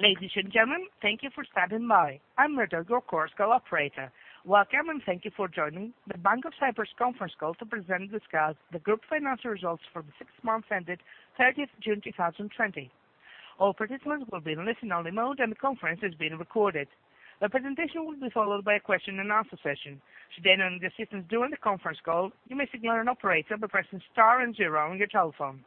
Ladies and gentlemen, thank you for standing by. I'm Redo, your Chorus Call operator. Welcome, thank you for joining the Bank of Cyprus conference call to present and discuss the group financial results for the six months ended 30th June 2020. All participants will be in listen-only mode, and the conference is being recorded. The presentation will be followed by a question-and-answer session. To identify the assistance during the conference call, you may signal an operator by pressing star and zero on your telephone.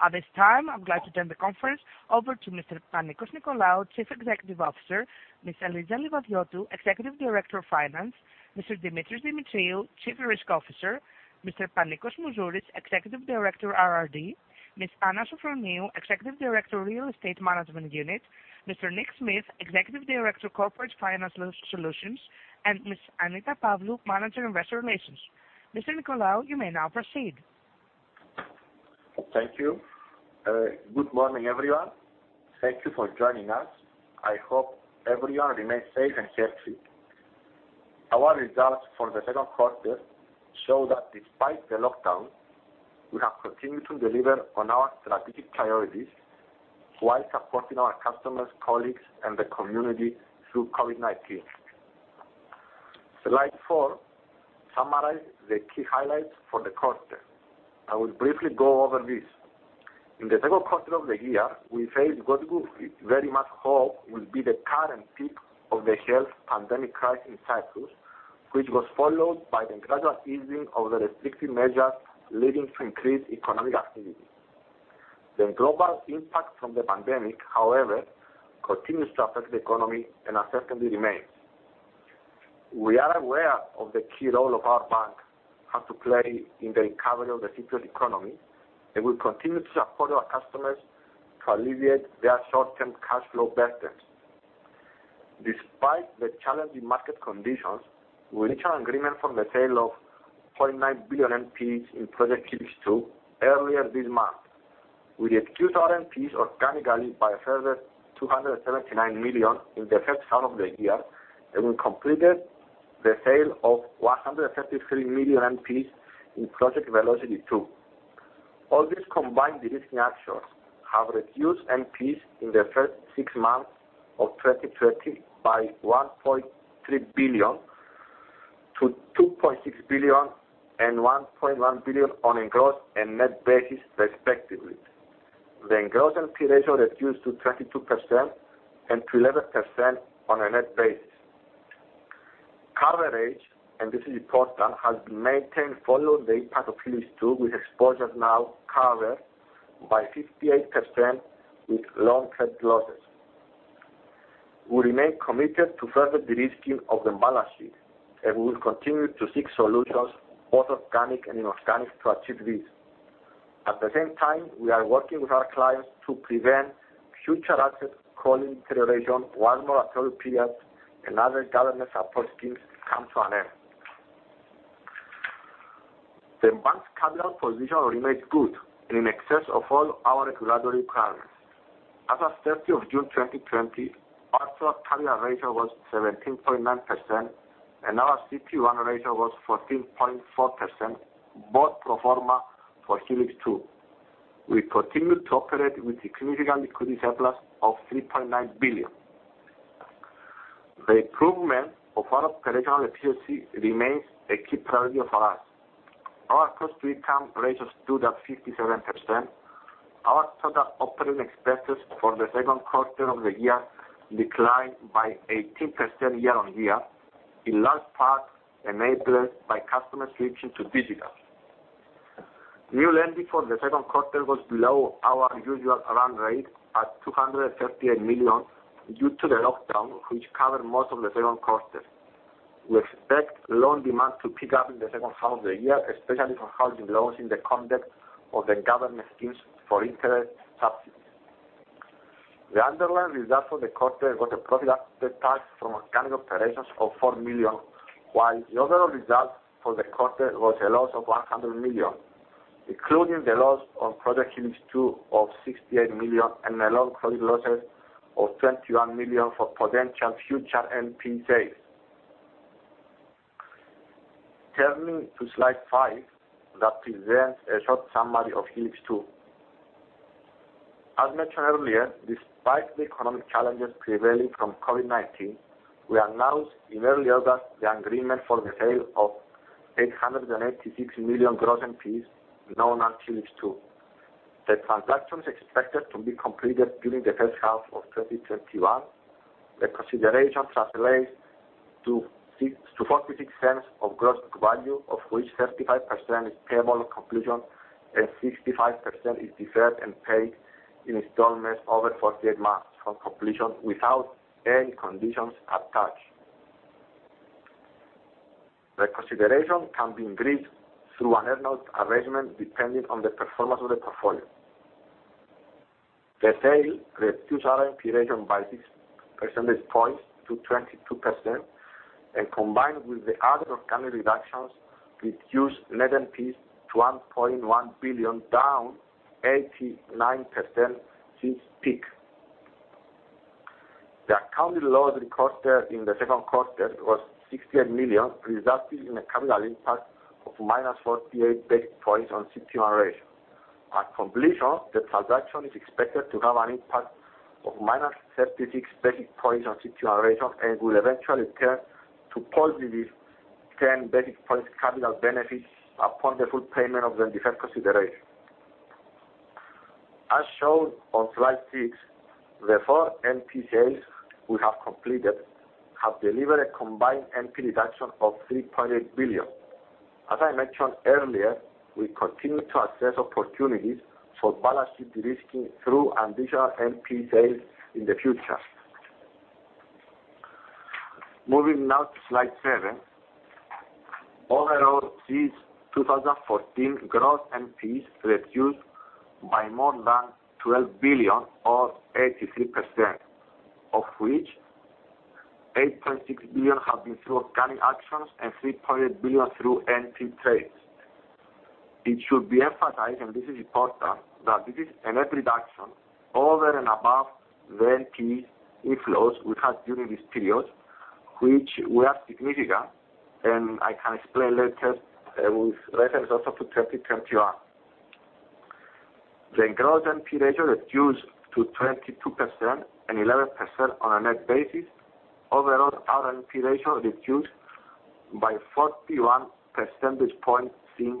At this time, I'm glad to turn the conference over to Mr. Panicos Nicolaou, Chief Executive Officer, Ms. Eliza Livadiotou, Executive Director Finance, Mr. Demetris Demetriou, Chief Risk Officer, Mr. Panicos Mouzouris, Executive Director, RRD, Ms. Anna Sofroniou, Executive Director, Real Estate Management Unit, Mr. Nick Smith, Executive Director, Corporate Finance Solutions, and Ms. Annita Pavlou, Manager, Investor Relations. Mr. Nicolaou, you may now proceed. Thank you. Good morning, everyone. Thank you for joining us. I hope everyone remains safe and healthy. Our results for the second quarter show that despite the lockdown, we have continued to deliver on our strategic priorities while supporting our customers, colleagues, and the community through COVID-19. Slide four summarizes the key highlights for the quarter. I will briefly go over this. In the second quarter of the year, we faced what we very much hope will be the current peak of the health pandemic crisis in Cyprus, which was followed by the gradual easing of the restrictive measures, leading to increased economic activity. The global impact from the pandemic, however, continues to affect the economy and uncertainty remains. We are aware of the key role our bank has to play in the recovery of the Cypriot economy, and we continue to support our customers to alleviate their short-term cash flow burdens. Despite the challenging market conditions, we reached an agreement for the sale of 0.9 billion NPEs in Project Helix 2 earlier this month. We reduced our NPEs organically by a further 279 million in the first half of the year, and we completed the sale of 133 million NPEs in Project Velocity 2. All these combined de-risking actions have reduced NPEs in the first six months of 2020 by 1.3 billion to 2.6 billion and 1.1 billion on a gross and net basis, respectively. The gross NPE ratio reduced to 32% and to 11% on a net basis. Coverage, and this is important, has been maintained following the impact of Helix 2, with exposure now covered by 58% with loan credit losses. We remain committed to further de-risking of the balance sheet, and we will continue to seek solutions, both organic and inorganic, to achieve this. At the same time, we are working with our clients to prevent future asset quality deterioration once moratorium periods and other government support schemes come to an end. The bank's capital position remains good and in excess of all our regulatory requirements. As of June 30th, 2020, our total capital ratio was 17.9%, and our CET1 ratio was 14.4%, both pro forma for Helix 2. We continue to operate with a significant liquidity surplus of 3.9 billion. The improvement of our operational efficiency remains a key priority for us. Our cost-to-income ratio stood at 57%. Our total operating expenses for the second quarter of the year declined by 18% year-on-year, in large part enabled by customer switching to digital. New lending for the second quarter was below our usual run rate at 238 million due to the lockdown, which covered most of the second quarter. We expect loan demand to pick up in the second half of the year, especially for housing loans in the context of the government schemes for interest subsidies. The underlying result for the quarter was a profit after tax from organic operations of 4 million, while the overall result for the quarter was a loss of 100 million, including the loss on Project Helix 2 of 68 million and the loan credit losses of 21 million for potential future NPE sales. Turning to slide five, that presents a short summary of Helix 2. As mentioned earlier, despite the economic challenges prevailing from COVID-19, we announced in early August the agreement for the sale of 886 million gross NPEs, known as Helix 2. The transaction is expected to be completed during the first half of 2021. The consideration translates to 0.46 of gross book value, of which 35% is payable on completion, and 65% is deferred and paid in installments over 48 months from completion without any conditions attached. The consideration can be increased through an earn-out arrangement, depending on the performance of the portfolio. Combined with the other organic reductions, the sale reduced our NPE ratio by 6 percentage points to 22%, reduced net NPEs to 1.1 billion, down 89% since peak. The accounting loss recorded in the second quarter was 68 million, resulting in a capital impact of -48 basis points on CET1 ratio. At completion, the transaction is expected to have an impact of -36 basis points on CET1 ratio and will eventually turn to +10 basis points capital benefits upon the full payment of the deferred consideration. As shown on slide six, the four NPE sales we have completed have delivered a combined NPE reduction of 3.8 billion. As I mentioned earlier, we continue to assess opportunities for balance sheet de-risking through additional NPE sales in the future. Moving now to slide seven. Overall, since 2014, gross NPEs reduced by more than 12 billion or 83%, of which 8.6 billion have been through organic actions and 3.8 billion through NPE trades. It should be emphasized, and this is important, that this is a net reduction over and above the NPE inflows we had during this period, which were significant, and I can explain later with reference also to 2021. The gross NPE ratio reduced to 22% and 11% on a net basis. Overall, our NPE ratio reduced by 41 percentage points since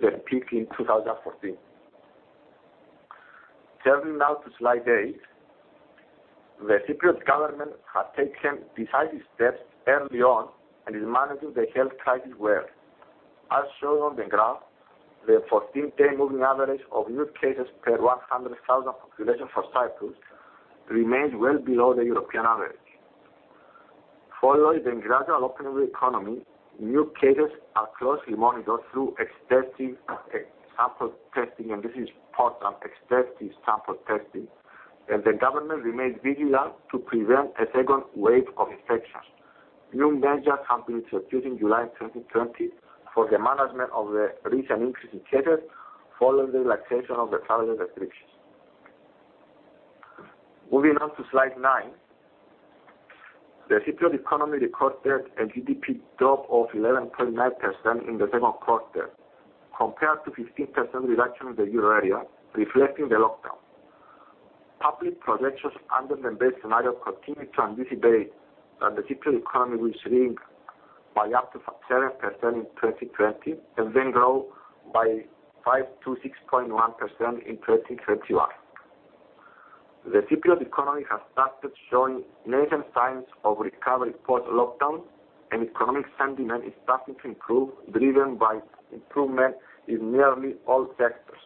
the peak in 2014. Turning now to slide eight. The Cypriot government has taken decisive steps early on and is managing the health crisis well. As shown on the graph, the 14-day moving average of new cases per 100,000 population for Cyprus remains well below the European average. Following the gradual opening of the economy, new cases are closely monitored through extensive sample testing, and this is important, extensive sample testing, and the government remains vigilant to prevent a second wave of infections. New measures have been introduced in July 2020 for the management of the recent increase in cases following the relaxation of the travel restrictions. Moving on to slide nine. The Cypriot economy recorded a GDP drop of 11.9% in the second quarter, compared to 15% reduction in the Euro area, reflecting the lockdown. Public projections under the base scenario continue to anticipate that the Cypriot economy will shrink by up to 7% in 2020 and then grow by 5%-6.1% in 2021. The Cypriot economy has started showing nascent signs of recovery post-lockdown, and economic sentiment is starting to improve, driven by improvement in nearly all sectors.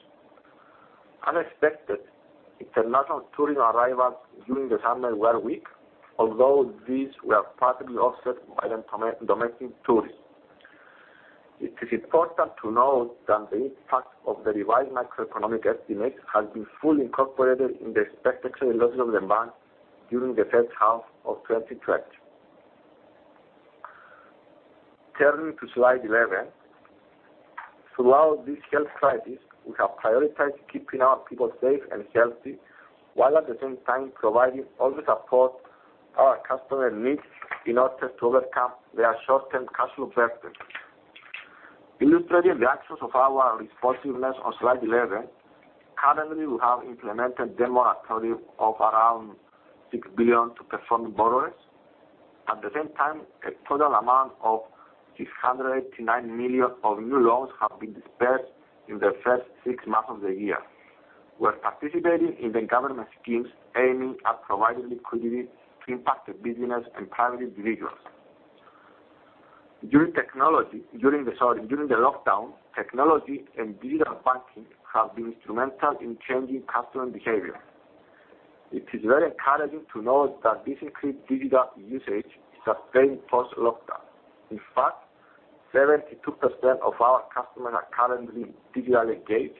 Unexpected international tourist arrivals during the summer were weak, although these were partially offset by the domestic tourism. It is important to note that the impact of the revised macroeconomic estimates has been fully incorporated in the expected credit losses of the bank during the first half of 2020. Turning to slide 11. Throughout this health crisis, we have prioritized keeping our people safe and healthy, while at the same time providing all the support our customers need in order to overcome their short-term cash flow burden. Illustrating the actions of our responsiveness on slide 11, currently, we have implemented the moratorium of around 6 billion to performing borrowers. At the same time, a total amount of 689 million of new loans have been disbursed in the first six months of the year. We're participating in the government schemes aiming at providing liquidity to impacted businesses and private individuals. During the lockdown, technology and digital banking have been instrumental in changing customer behavior. It is very encouraging to note that this increased digital usage is sustained post-lockdown. In fact, 72% of our customers are currently digitally engaged,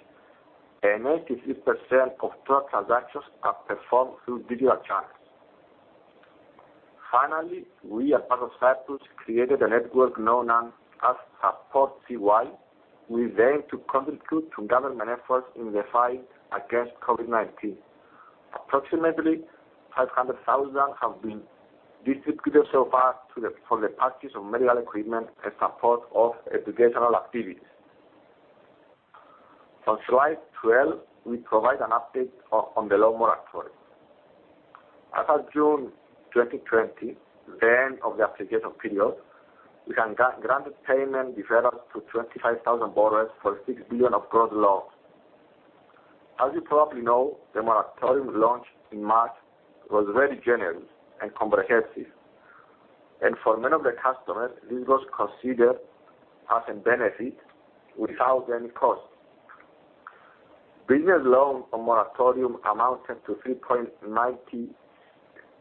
and 93% of total transactions are performed through digital channels. Finally, we at Bank of Cyprus created a network known as SupportCY with aim to contribute to government efforts in the fight against COVID-19. Approximately 500,000 have been distributed so far for the purchase of medical equipment and support of educational activities. On slide 12, we provide an update on the loan moratorium. As of June 2020, the end of the application period, we had granted payment deferrals to 25,000 borrowers for 6 billion of gross loans. As you probably know, the moratorium launched in March was very generous and comprehensive. For many of the customers, this was considered as a benefit without any cost. Business loans on moratorium amounted to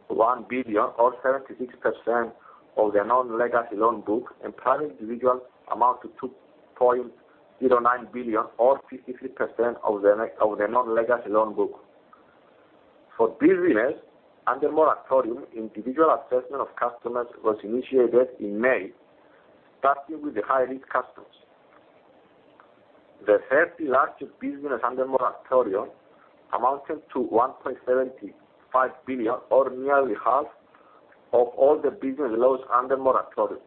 3.91 billion, or 76% of the non-legacy loan book, and private individuals amount to 2.09 billion or 53% of the non-legacy loan book. For business, under moratorium, individual assessment of customers was initiated in May, starting with the high-risk customers. The 30 largest businesses under moratorium amounted to 1.75 billion, or nearly half of all the business loans under moratorium.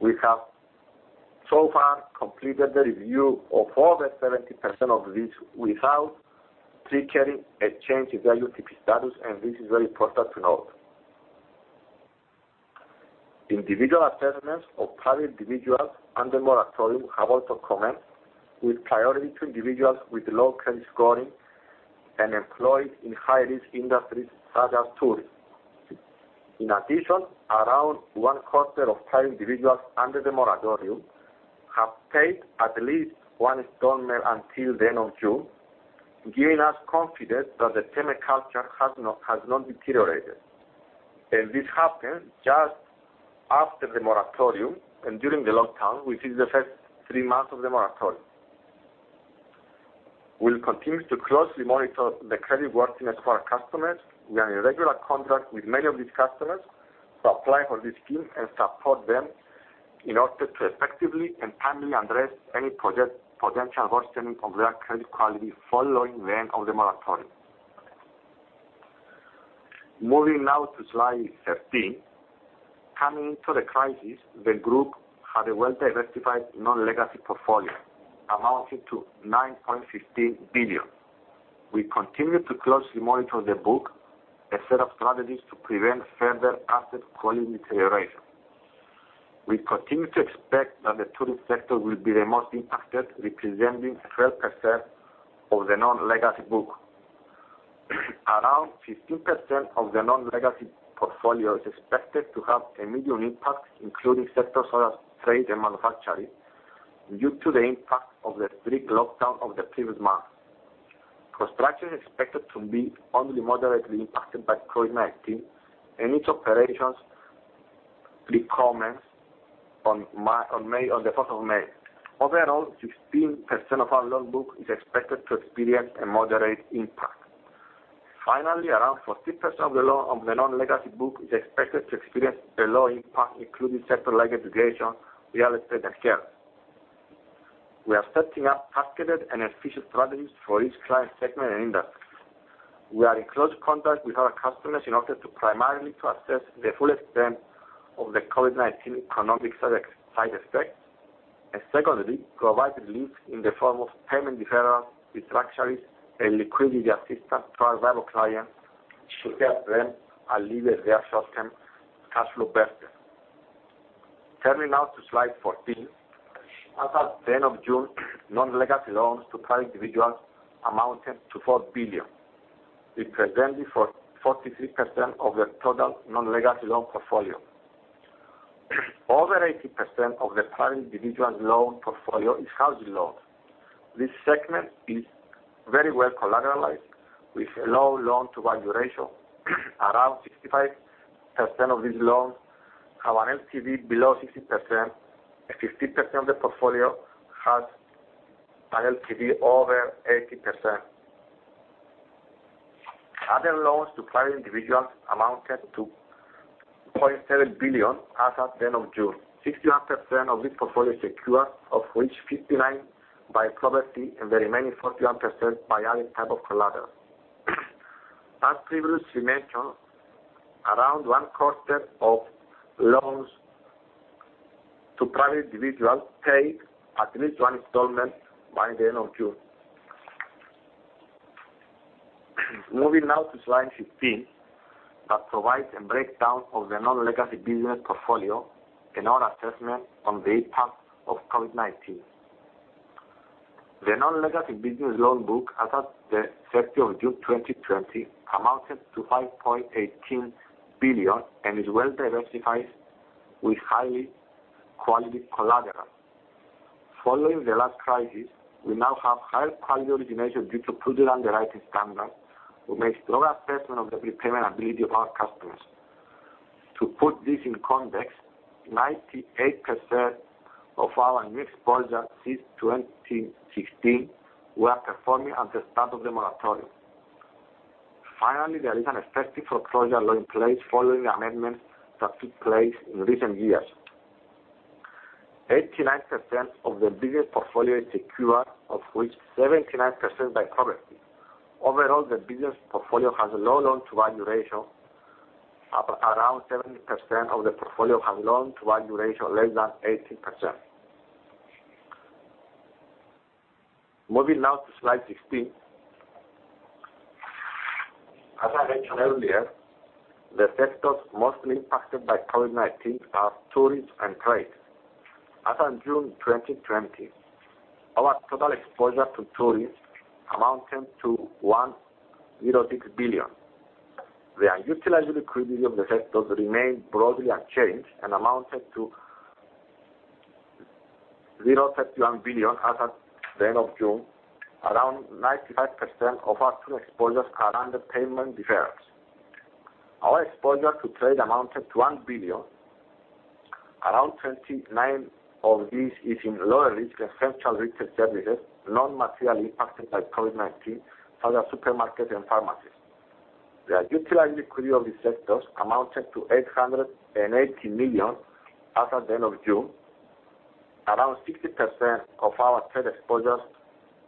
We have so far completed the review of over 70% of these without triggering a change in their UTP status. This is very important to note. Individual assessments of private individuals under moratorium have also commenced, with priority to individuals with low credit scoring and employed in high-risk industries such as tourism. In addition, around one quarter of private individuals under the moratorium have paid at least one installment until the end of June, giving us confidence that the payment culture has not deteriorated. This happened just after the moratorium and during the lockdown within the first three months of the moratorium. We'll continue to closely monitor the creditworthiness of our customers. We are in regular contact with many of these customers to apply for this scheme and support them in order to effectively and timely address any potential worsening of their credit quality following the end of the moratorium. Moving now to slide 13. Coming into the crisis, the group had a well-diversified non-legacy portfolio amounting to 9.15 billion. We continue to closely monitor the book, a set of strategies to prevent further asset quality deterioration. We continue to expect that the tourism sector will be the most impacted, representing 12% of the non-legacy book. Around 15% of the non-legacy portfolio is expected to have a medium impact, including sectors such as trade and manufacturing, due to the impact of the strict lockdown of the previous months. Construction is expected to be only moderately impacted by COVID-19, and its operations recommenced on May 1st. Overall, 15% of our loan book is expected to experience a moderate impact. Around 40% of the non-legacy book is expected to experience a low impact, including sectors like education, real estate, and care. We are setting up targeted and efficient strategies for each client segment and industry. We are in close contact with our customers in order to primarily assess the full extent of the COVID-19 economic side effects, secondly, provide relief in the form of payment deferrals, restructurings, and liquidity assistance to our valuable clients to help them alleviate their short-term cash flow burden. Turning now to slide 14. As at the end of June, non-legacy loans to private individuals amounted to 4 billion, representing 43% of the total non-legacy loan portfolio. Over 80% of the private individual loan portfolio is housing loans. This segment is very well collateralized with a low loan-to-value ratio. Around 65% of these loans have an LTV below 60%, and 15% of the portfolio has an LTV over 80%. Other loans to private individuals amounted to 0.7 billion as at the end of June. 61% of this portfolio is secured, of which 59 by property and the remaining 41% by other type of collateral. As previously mentioned, around one-quarter of loans to private individuals paid at least one installment by the end of June. Moving now to slide 15, that provides a breakdown of the non-legacy business portfolio and our assessment on the impact of COVID-19. The non-legacy business loan book as at June 30th, 2020, amounted to 5.18 billion and is well diversified with high quality collateral. Following the last crisis, we now have higher-quality origination due to prudent underwriting standards. We make a strong assessment of the prepayment ability of our customers. To put this in context, 98% of our new exposure since 2016 were performing at the start of the moratorium. Finally, there is an effective foreclosure law in place following amendments that took place in recent years. 89% of the business portfolio is secured, of which 79% by property. Overall, the business portfolio has a low loan-to-value ratio. Around 70% of the portfolio has a loan-to-value ratio less than 18%. Moving now to slide 16. As I mentioned earlier, the sectors mostly impacted by COVID-19 are tourism and trade. As at June 2020, our total exposure to tourism amounted to 1.06 billion. The utilized liquidity of the sectors remained broadly unchanged and amounted to EUR 0.1 billion as at the end of June. Around 95% of our tourism exposures are under payment deferrals. Our exposure to trade amounted to 1 billion. Around 29% of this is in lower-risk, essential retail services, not materially impacted by COVID-19, such as supermarkets and pharmacies. The utility of the sectors amounted to 880 million as of the end of June. Around 60% of our trade exposures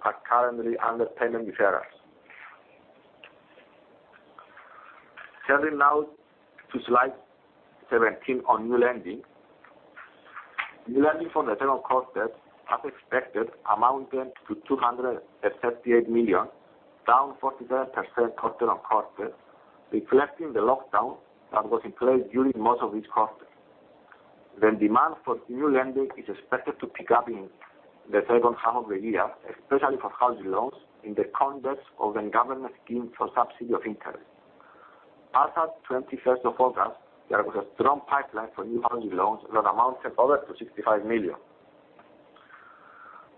are currently under payment deferrals. Turning now to slide 17 on new lending. New lending from the second quarter, as expected, amounted to 238 million, down 47% quarter-on-quarter, reflecting the lockdown that was in place during most of this quarter. The demand for new lending is expected to pick up in the second half of the year, especially for housing loans, in the context of the government scheme for subsidy of interest. As at August 21st, there was a strong pipeline for new housing loans that amounted over to 65 million.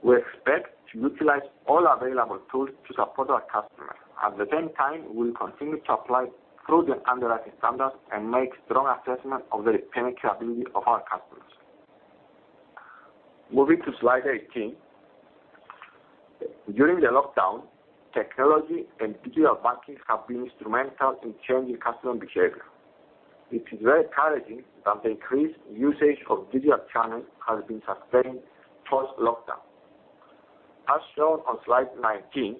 We expect to utilize all available tools to support our customers. At the same time, we will continue to apply prudent underwriting standards and make strong assessment of the repayment capability of our customers. Moving to slide 18. During the lockdown, technology and digital banking have been instrumental in changing customer behavior. It is very encouraging that the increased usage of digital channels has been sustained post-lockdown. As shown on slide 19,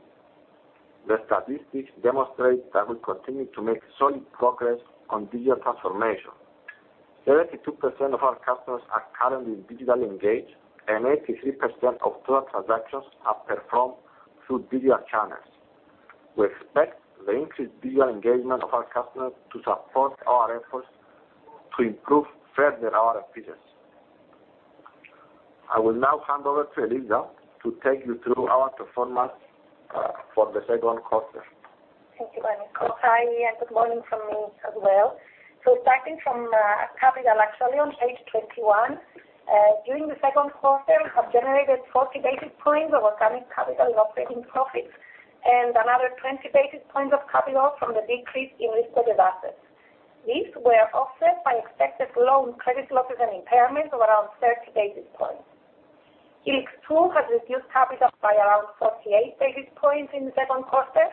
the statistics demonstrate that we continue to make solid progress on digital transformation. 32% of our customers are currently digitally engaged, and 83% of total transactions are performed through digital channels. We expect the increased digital engagement of our customers to support our efforts to improve further our efficiencies. I will now hand over to Eliza to take you through our performance for the second quarter. Thank you, Panicos. Hi, and good morning from me as well. Starting from capital, actually, on page 21. During the second quarter, we have generated 40 basis points of organic capital and operating profits and another 20 basis points of capital from the decrease in risk-weighted assets. These were offset by expected loan credit losses and impairments of around 30 basis points. Helix 2 has reduced capital by around 48 basis points in the second quarter,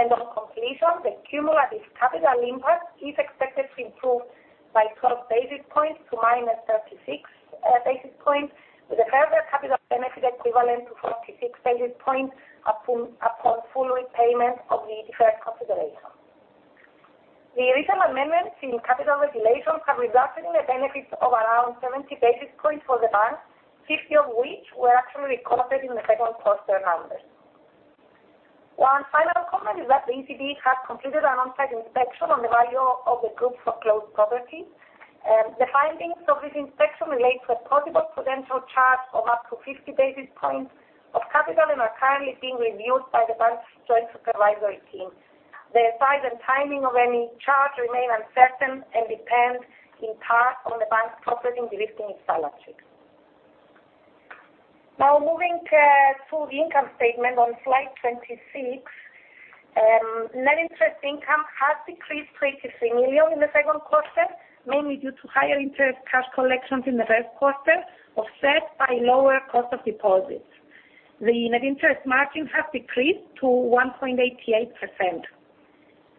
and on completion, the cumulative capital impact is expected to improve by 12 basis points to -36 basis points with a further capital benefit equivalent to 46 basis points upon full repayment of the deferred consideration. The recent amendments in capital regulations have resulted in a benefit of around 70 basis points for the bank, 50 basis points of which were actually recorded in the second quarter numbers. One final comment is that the ECB has completed an on-site inspection on the value of the group's foreclosed properties. The findings of this inspection relate to a possible potential charge of up to 50 basis points of capital and are currently being reviewed by the Bank of Cyprus's joint supervisory team. The size and timing of any charge remain uncertain and depend in part on the Bank of Cyprus's progress in de-risking its balance sheet. Now, moving to the income statement on slide 26. Net Interest Income has decreased to 80 million in the second quarter, mainly due to higher interest cash collections in the first quarter, offset by lower cost of deposits. The Net Interest Margin has decreased to 1.88%.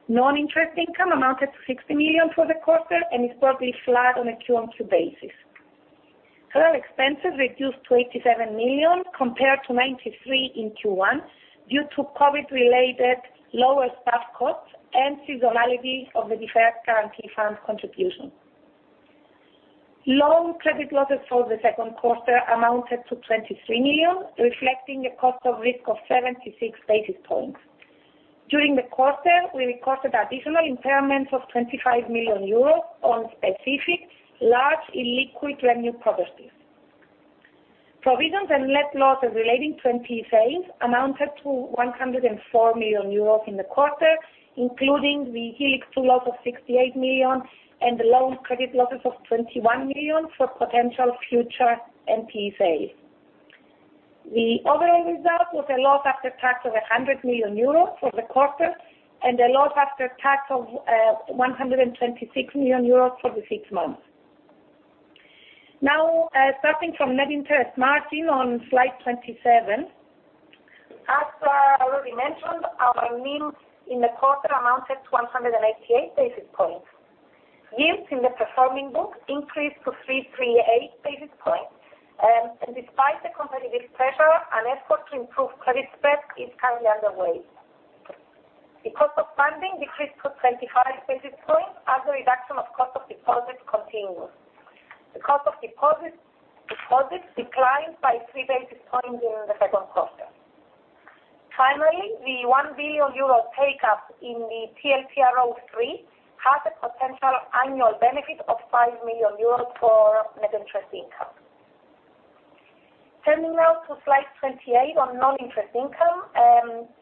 Non-Interest Income amounted to 60 million for the quarter and is broadly flat on a Q on Q basis. General expenses reduced to 87 million compared to 93 million in Q1 due to COVID-related lower staff costs and seasonality of the deferred guarantee fund contribution. Loan credit losses for the second quarter amounted to 23 million, reflecting a cost of risk of 76 basis points. During the quarter, we recorded additional impairments of 25 million euros on specific, large, illiquid REMU properties. Provisions and net losses relating to NPEs amounted to 104 million euros in the quarter, including the Helix 2 loss of 68 million and the loan credit losses of 21 million for potential future NPE sales. The overall result was a loss after tax of 100 million euros for the quarter and a loss after tax of 126 million euros for the six months. Now, starting from net interest margin on slide 27. As already mentioned, our NIM in the quarter amounted to 188 basis points. Yields in the performing book increased to 338 basis points. Despite the competitive pressure, an effort to improve credit spread is currently underway. The cost of funding decreased to 25 basis points as the reduction of cost of deposits continued. The cost of deposits declined by three basis points during the second quarter. Finally, the 1 billion euros take-up in the TLTRO III has a potential annual benefit of 5 million euros for net interest income. Turning now to slide 28 on non-interest income.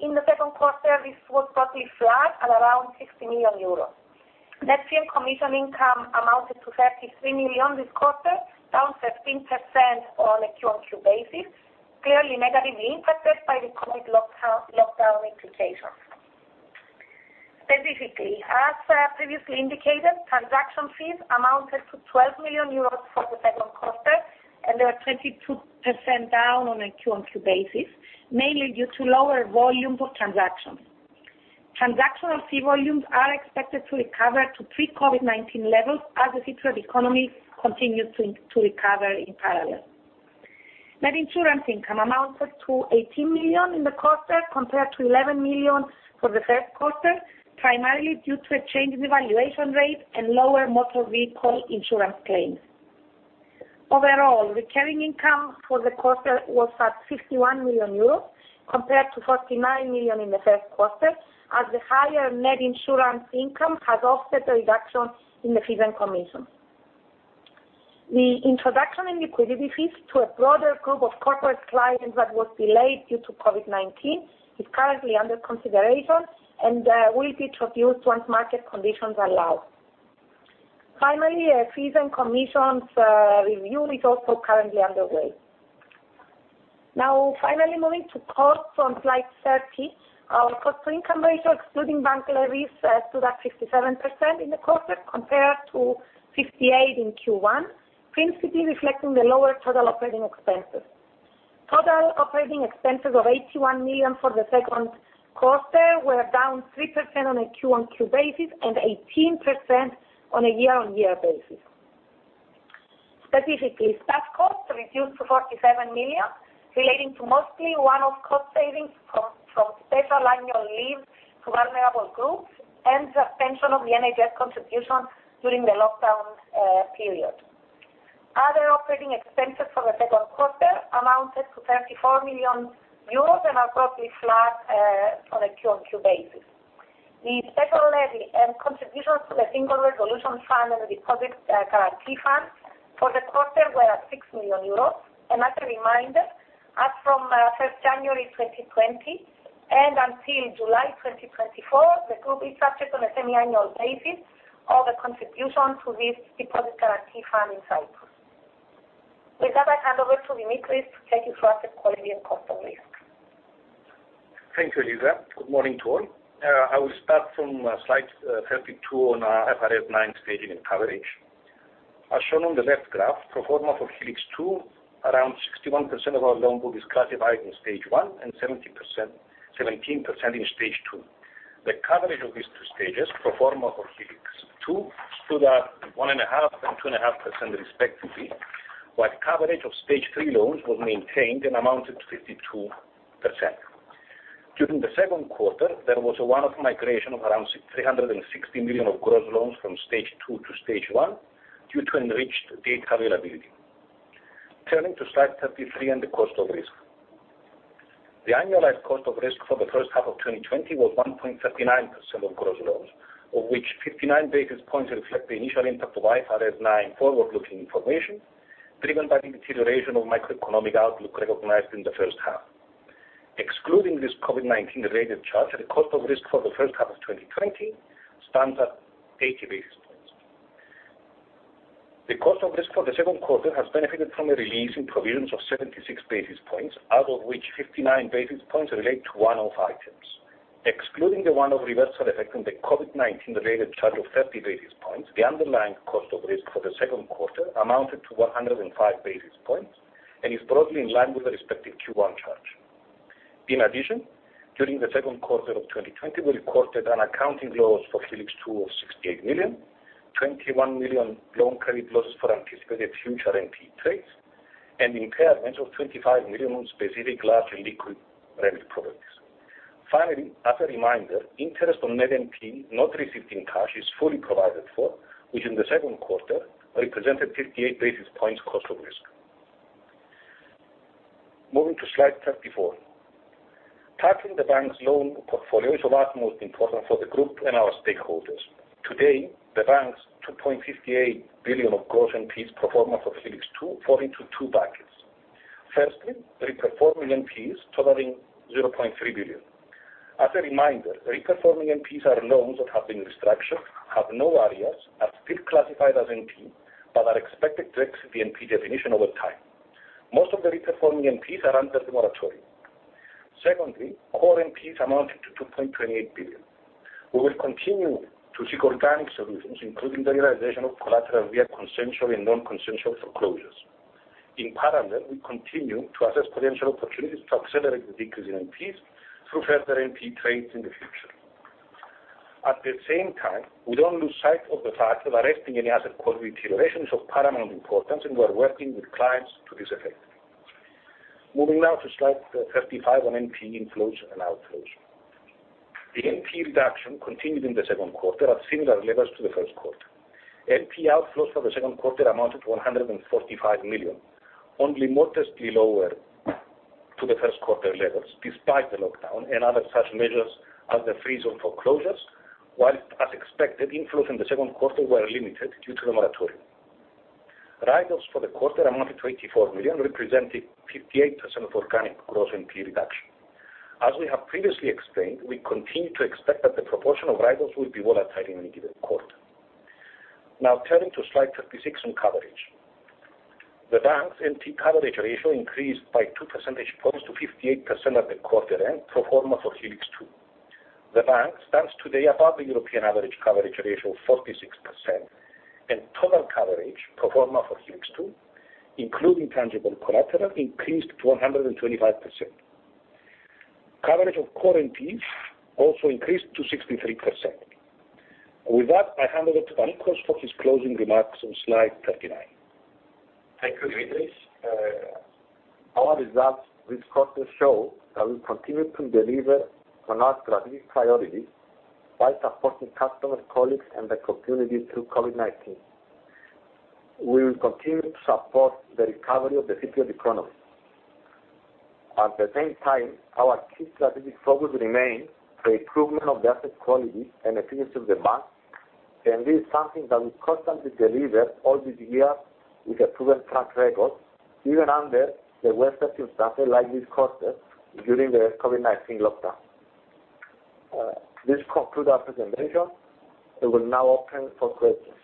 In the second quarter, this was broadly flat at around 60 million euros. Net fee and commission income amounted to 33 million this quarter, down 13% on a QoQ basis, clearly negatively impacted by the COVID lockdown implications. Specifically, as previously indicated, transaction fees amounted to 12 million euros for the second quarter, and they were 22% down on a QoQ basis, mainly due to the lower volume of transactions. Transactional fee volumes are expected to recover to pre-COVID-19 levels as the Cypriot economy continues to recover in parallel. Net insurance income amounted to 18 million in the quarter, compared to 11 million for the first quarter, primarily due to a change in the valuation rate and lower motor vehicle insurance claims. Overall, recurring income for the quarter was at 51 million euros compared to 49 million in the first quarter, as the higher net insurance income has offset the reduction in the fees and commission. The introduction in liquidity fees to a broader group of corporate clients that was delayed due to COVID-19 is currently under consideration and will be introduced once market conditions allow. Finally, a fees and commissions review is also currently underway. Finally, moving to costs on slide 30. Our cost-to-income ratio, excluding bank levies, stood at 57% in the quarter compared to 58% in Q1, principally reflecting the lower total operating expenses. Total operating expenses of 81 million for the second quarter were down 3% on a QoQ basis and 18% on a year-on-year basis. Specifically, staff costs reduced to 47 million relating to mostly one-off cost savings from special annual leave to vulnerable groups and suspension of the NHS contribution during the lockdown period. Other operating expenses for the second quarter amounted to 34 million euros and are broadly flat on a QoQ basis. The special levy and contributions to the Single Resolution Fund and the Deposit Guarantee Fund for the quarter were at 6 million euros. As a reminder, as from January 1st, 2020, and until July 2024, the group is subject on a semi-annual basis of the contribution to this Deposit Guarantee Fund in Cyprus. With that, I hand over to Demetris to take you through asset quality and cost of risk. Thank you, Eliza. Good morning to all. I will start from slide 32 on IFRS 9 staging and coverage. As shown on the left graph, pro forma for Helix 2, around 61% of our loan book is classified in Stage 1 and 17% in Stage 2. The coverage of these two stages, pro forma for Helix 2, stood at 1.5% and 2.5% respectively, while coverage of Stage 3 loans was maintained and amounted to 52%. During the second quarter, there was a one-off migration of around 360 million of gross loans from Stage 2 to Stage 1 due to enriched data availability. Turning to slide 33 and the cost of risk. The annualized cost of risk for the first half of 2020 was 1.39% of gross loans, of which 59 basis points reflect the initial impact of IFRS 9 forward-looking information, driven by the deterioration of microeconomic outlook recognized in the first half. Excluding this COVID-19 related charge, the cost of risk for the first half of 2020 stands at 80 basis points. The cost of risk for the second quarter has benefited from a release in provisions of 76 basis points, out of which 59 basis points relate to one-off items. Excluding the one-off reversal effect on the COVID-19 related charge of 30 basis points, the underlying cost of risk for the second quarter amounted to 105 basis points and is broadly in line with the respective Q1 charge. In addition, during the second quarter of 2020, we recorded an accounting loss for Helix 2 of 68 million, 21 million loan credit losses for anticipated future NPE trades, and impairment of 25 million on specific, large, illiquid REMU properties. As a reminder, interest on net NPE not received in cash is fully provided for, which in the second quarter represented 58 basis points cost of risk. Moving to slide 34. Tackling the bank's loan portfolio is of utmost importance for the group and our stakeholders. Today, the bank's 2.58 billion of gross NPEs pro forma for Helix 2 fall into two buckets. Firstly, reperforming NPEs totaling 0.3 billion. As a reminder, reperforming NPEs are loans that have been restructured, have no arrears, are still classified as NPE, but are expected to exit the NPE definition over time. Most of the reperforming NPEs are under the moratorium. Secondly, core NPEs amounted to 2.28 billion. We will continue to seek organic solutions, including the realization of collateral via consensual and non-consensual foreclosures. In parallel, we continue to assess potential opportunities to accelerate the decrease in NPEs through further NPE trades in the future. At the same time, we don't lose sight of the fact that arresting any asset quality deterioration is of paramount importance, and we are working with clients to this effect. Moving now to slide 35 on NPE inflows and outflows. The NPE reduction continued in the second quarter at similar levels to the first quarter. NPE outflows for the second quarter amounted to 145 million, only modestly lower to the first quarter levels despite the lockdown and other such measures as the freeze on foreclosures, while as expected, inflows in the second quarter were limited due to the moratorium. Write-offs for the quarter amounted to 84 million, representing 58% of organic gross NPE reduction. As we have previously explained, we continue to expect that the proportion of write-offs will be volatile in any given quarter. Turning to slide 36 on coverage. The bank's NPE coverage ratio increased by 2 percentage points to 58% at the quarter-end pro forma for Helix 2. The bank stands today above the European average coverage ratio of 46%, and total coverage pro forma for Helix 2 including tangible collateral increased to 125%. Coverage of core NPE also increased to 63%. With that, I hand over to Panicos for his closing remarks on slide 39. Thank you, Demetris. Our results this quarter show that we continue to deliver on our strategic priorities by supporting customers, colleagues, and the community through COVID-19. We will continue to support the recovery of the Cypriot economy. At the same time, our key strategic focus remains the improvement of the asset quality and efficiency of the bank. This is something that we constantly deliver all these years with a proven track record, even under the weather circumstances like this quarter during the COVID-19 lockdown. This concludes our presentation. We will now open for questions.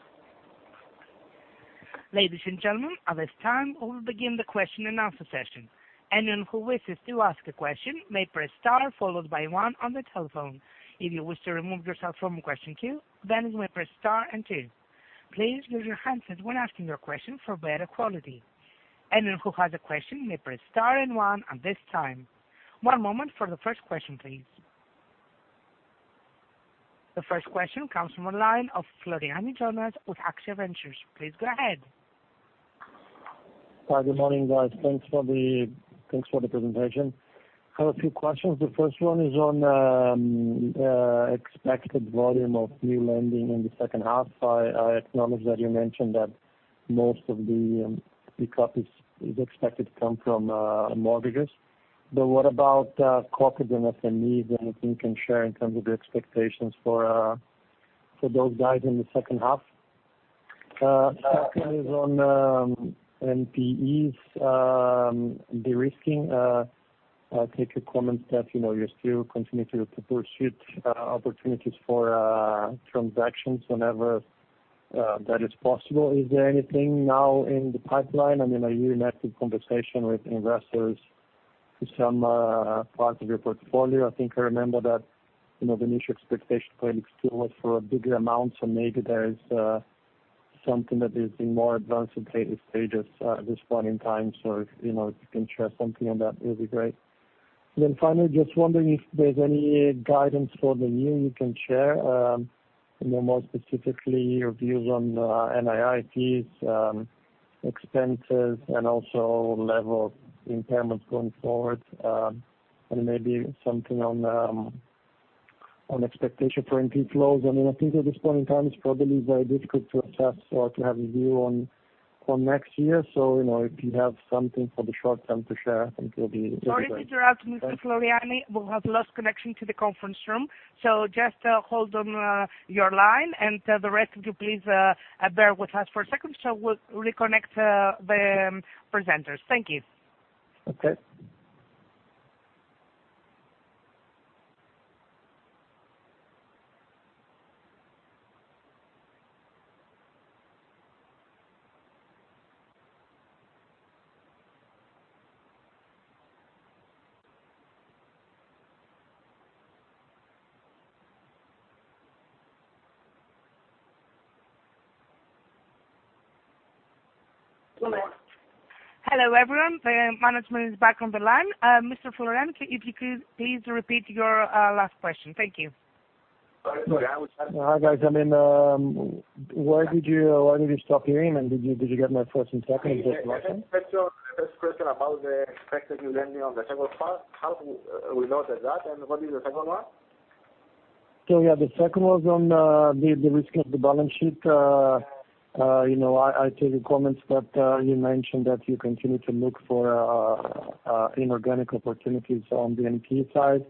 Ladies and gentlemen, at this time, we will begin the question-and-answer session. Anyone who wishes to ask a question may press star followed by one on the telephone. If you wish to remove yourself from question queue, then you may press star and two. Please use your handset when asking your question for better quality. Anyone who has a question may press star and one at this time. One moment for the first question, please. The first question comes from the line of Floriani Jonas with AXIA Ventures. Please go ahead. Hi. Good morning, guys. Thanks for the presentation. I have a few questions. The first one is on the expected volume of new lending in the second half. I acknowledge that you mentioned that most of the pick-up is expected to come from mortgages. What about corporate and SMEs? Anything you can share in terms of the expectations for those guys in the second half? Second is on NPEs de-risking. I take your comments that you still continue to pursue opportunities for transactions whenever that is possible. Is there anything now in the pipeline? I mean, are you in active conversation with investors to some parts of your portfolio? I think I remember that the initial expectation for Helix 2 was for bigger amounts. Maybe there is something that is in more advanced stages at this point in time. If you can share something on that, it would be great. Finally, just wondering if there's any guidance for the new you can share, more specifically your views on NII, expenses, and also level of impairments going forward, and maybe something on expectation for NPE flows. I think at this point in time, it's probably very difficult to assess or to have a view on next year. If you have something for the short term to share, I think it'll be great. Sorry to interrupt, Mr. Floriani, we have lost connection to the conference room. Just hold on your line, and the rest of you, please bear with us for a second. We'll reconnect the presenters. Thank you. Okay. Hello, everyone. The management is back on the line. Mr. Floriani, if you could please repeat your last question. Thank you. Sorry. Hi, guys. I mean, where did you stop hearing? Did you get my first and second question? The first question about the expected new lending on the second part, how we loaded that, and what is the second one? The second one was on the risk of the balance sheet. I take your comments that you mentioned that you continue to look for inorganic opportunities on the NPE side.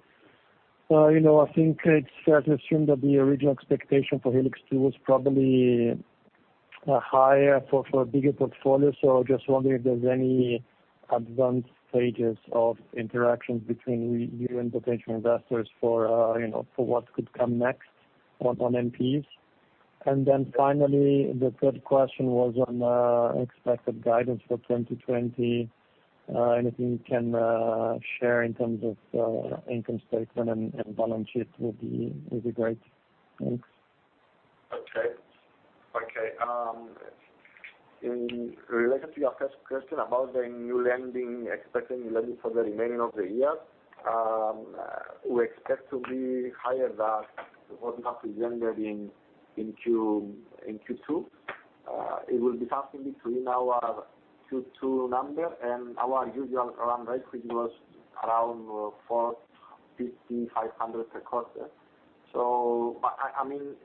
I think it's fair to assume that the original expectation for Helix 2 was probably higher for a bigger portfolio. I was just wondering if there's any advanced stages of interactions between you and potential investors for what could come next on NPEs. Finally, the third question was on expected guidance for 2020. Anything you can share in terms of income statement and balance sheet would be great. Thanks. Okay. In relation to your first question about the expected new lending for the remaining of the year, we expect to be higher than what we have presented in Q2. It will be something between our Q2 number and our usual run rate, which was around 450 million, 500 million per quarter. We're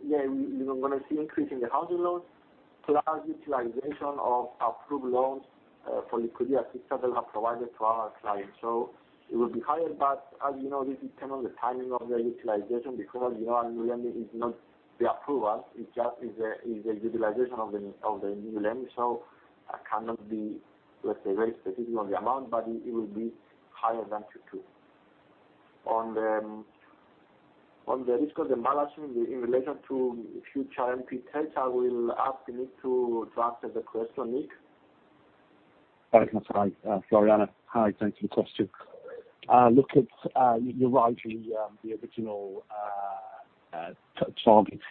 going to see an increase in the housing loans plus utilization of approved loans for liquidity assistance that we have provided to our clients. It will be higher, but as you know, this depends on the timing of the utilization because new lending is not the approval, it's the utilization of the new lending. I cannot be, let's say, very specific on the amount, but it will be higher than Q2. On the risk of the balance sheet in relation to future NPEs, I will ask Nick to answer the question. Nick? Floriani, hi, thanks for the question. You're right, the original Project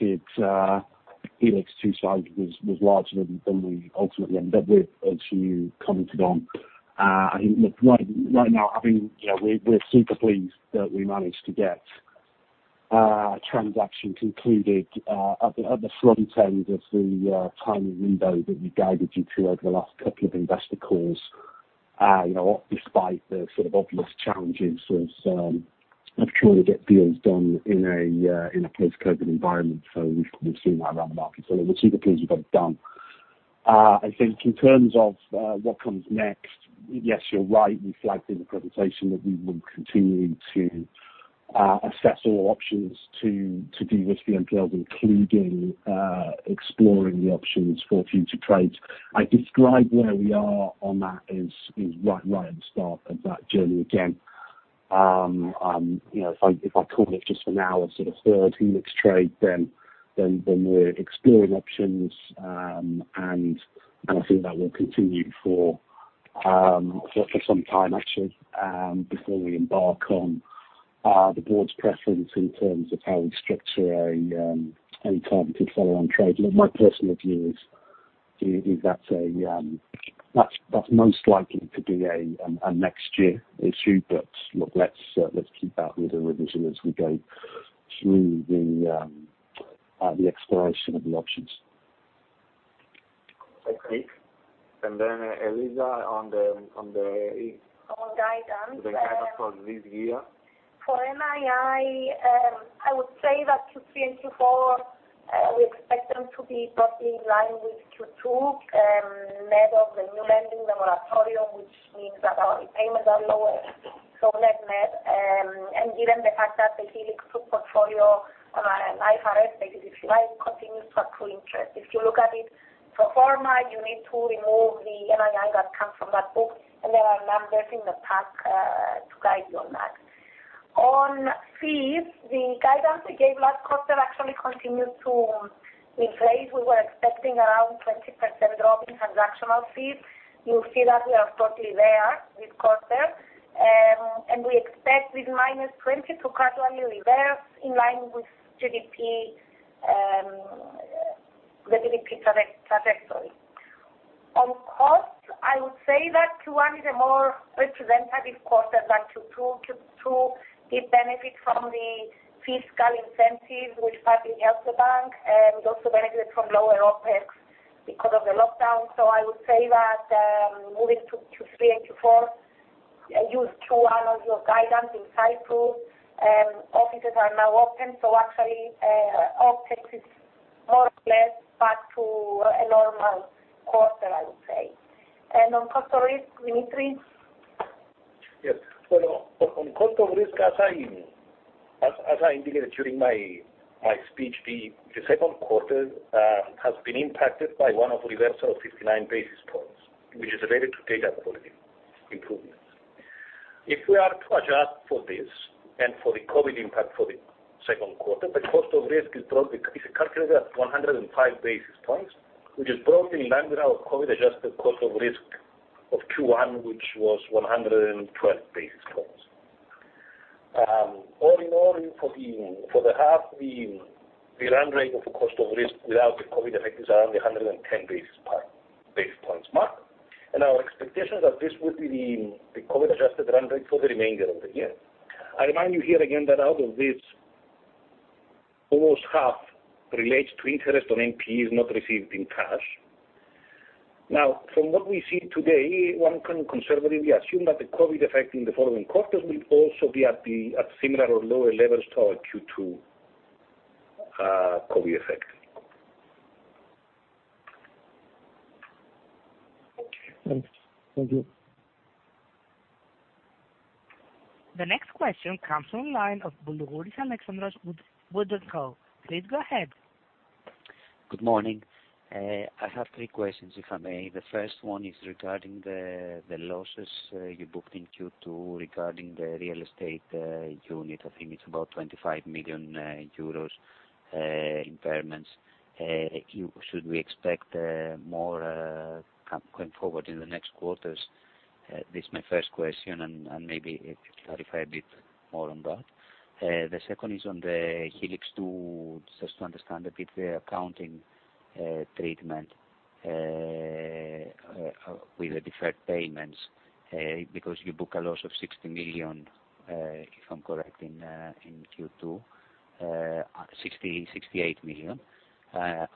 Helix 2 side was larger than we ultimately end up with, as you commented on. I think right now, we're super pleased that we managed to get a transaction concluded at the front end of the time window that we guided you to over the last couple of investor calls. Despite the obvious challenges of trying to get deals done in a post-COVID environment. We've seen that around the market, so we're super pleased we got it done. I think in terms of what comes next, yes, you're right, we flagged in the presentation that we will continue to assess all options to de-risk the NPL, including exploring the options for future trades. I'd describe where we are on that is right at the start of that journey again. If I call it just for now, a third Helix trade, then we're exploring options, and I think that will continue for some time, actually, before we embark on the board's preference in terms of how we structure any targeted follow-on trade. Look, my personal view is that's most likely to be a next year issue. Look, let's keep that under revision as we go through the exploration of the options. Okay. Eliza, On guidance. -the guidance for this year. For NII, I would say that Q3 and Q4, we expect them to be roughly in line with Q2, net of the new lending moratorium, which means that our repayments are lower, so net net. Given the fact that the Helix book portfolio, life as it, basically, continues to accrue interest. If you look at it pro forma, you need to remove the NII that comes from that book, and there are numbers in the pack to guide you on that. On fees, the guidance we gave last quarter actually continued to inflate. We were expecting around 20% drop in transactional fees. You'll see that we are totally there with quarter. We expect this -20% to gradually reverse in line with the GDP trajectory. On cost, I would say that Q1 is a more representative quarter than Q2. Q2 did benefit from the fiscal incentive, which helped the bank, and also benefited from lower OpEx because of the lockdown. I would say that moving to Q3 and Q4, use Q1 on your guidance in Cyprus. Offices are now open, so actually, OpEx is more or less back to a normal quarter, I would say. On the cost of risk, Demetris? Yes. On cost of risk, as I indicated during my speech, the second quarter has been impacted by a one-off reversal of 59 basis points, which is related to data quality improvements. If we are to adjust for this and for the COVID impact for the second quarter, the cost of risk is calculated at 105 basis points, which is broadly in line with our COVID-adjusted cost of risk of Q1, which was 112 basis points. All in all, for the half, the run rate of the cost of risk without the COVID effect is around the 110 basis points mark. Our expectation is that this will be the COVID-adjusted run rate for the remainder of the year. I remind you here again that out of this, almost half relates to interest on NPEs not received in cash. Now, from what we see today, one can conservatively assume that the COVID effect in the following quarters will also be at similar or lower levels to our Q2 COVID effect. Thank you. Thanks. Thank you. The next question comes from the line of Boulougouris, Alexandros with WOOD & Company. Please go ahead. Good morning. I have three questions, if I may. The first one is regarding the losses you booked in Q2 regarding the real estate unit. I think it's about 25 million euros impairments. Should we expect more going forward in the next quarters? This is my first question, and maybe if you could clarify a bit more on that. The second is on the Helix 2, just to understand a bit the accounting treatment with the deferred payments, because you book a loss of 60 million, if I'm correct, in Q2, 68 million. There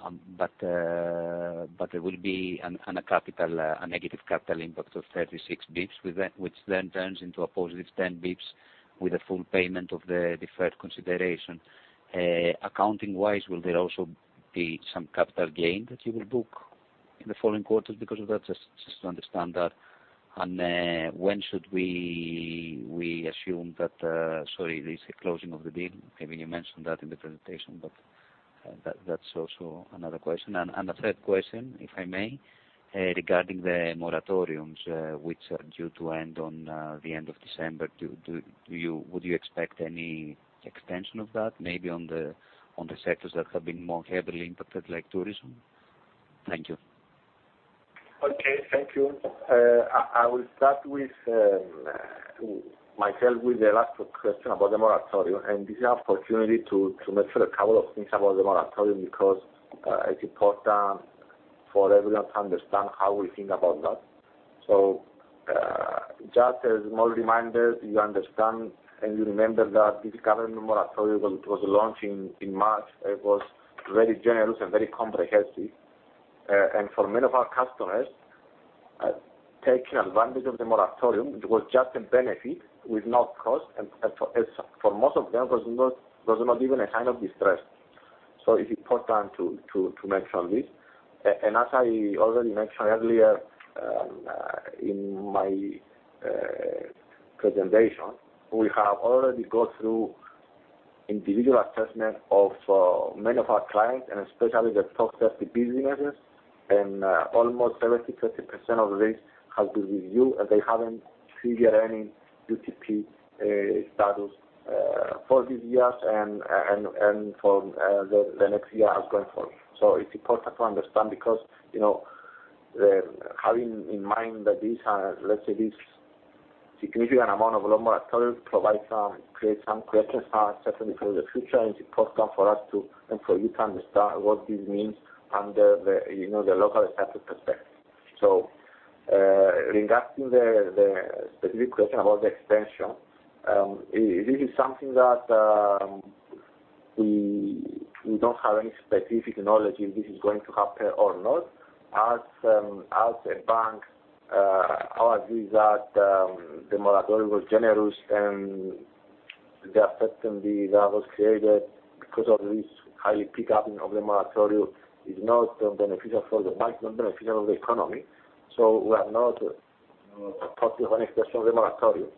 will be a negative capital impact of 36 basis points, which then turns into a +10 basis points with a full payment of the deferred consideration. Accounting-wise, will there also be some capital gain that you will book in the following quarters because of that? Just to understand that. When should we assume that Sorry, there's a closing of the deal? Maybe you mentioned that in the presentation, but that's also another question. A third question, if I may, regarding the moratoriums, which are due to end on the end of December. Would you expect any extension of that, maybe on the sectors that have been more heavily impacted, like tourism? Thank you. Okay, thank you. I will start myself with the last question about the moratorium. This is an opportunity to mention a couple of things about the moratorium because it's important for everyone to understand how we think about that. Just as more reminder, you understand and you remember that this government moratorium, when it was launched in March, it was very generous and very comprehensive. For many of our customers, taking advantage of the moratorium, it was just a benefit with no cost, and for most of them, it was not even a sign of distress. It's important to mention this. As I already mentioned earlier in my presentation, we have already gone through individual assessment of many of our clients and especially the top 30 businesses, and almost 70%-80% of these have been reviewed, and they haven't triggered any UTP status for this year and for the next years as going forward. It's important to understand because having in mind that these are, let's say, this significant amount of loan moratorium creates some questions certainly for the future, and it's important for us and for you to understand what this means under the local accepted perspective. Regarding the specific question about the extension, this is something that we don't have any specific knowledge if this is going to happen or not. As a bank, our view is that the moratorium was generous and the uncertainty that was created because of this high pickup of the moratorium is not beneficial for the bank, not beneficial for the economy. We are not supportive of any extension of the moratorium.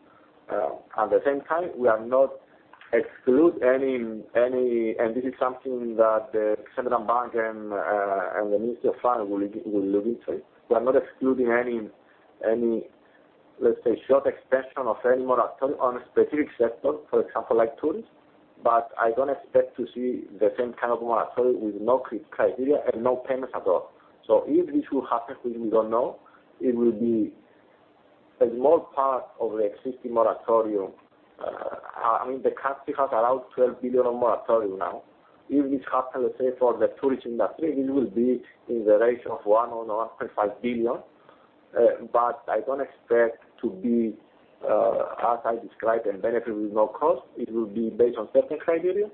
At the same time, we are not excluding any, and this is something that the Central Bank and the Ministry of Finance will look into. We are not excluding any, let's say, short extension of any moratorium on a specific sector, for example, like tourism, but I don't expect to see the same kind of moratorium with no criteria and no payments at all. If this will happen, which we don't know, it will be a small part of the existing moratorium. The country has around 12 billion on moratorium now. If this happens, let's say, for the tourism industry, this will be in the range of 1 billion or 1.5 billion, I don't expect to be, as I described, a benefit with no cost. It will be based on certain criteria,